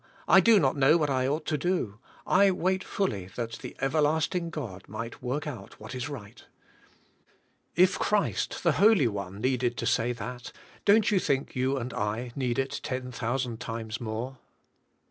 I do not know what I oug ht to do. I wait fully, that the Everlasting God mig ht work out what is rig ht. If Christ, the Holy One, needed to say that, don't you think you and I need it ten thousand times more